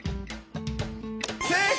正解！